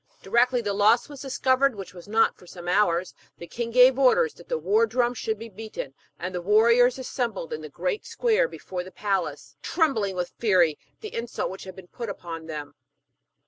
Directly the loss was discovered, which was not for some hours, the king gave orders that the war drum should be beaten, and the warriors assembled in the great square before the palace, trembling with fury at the insult which had been put upon them.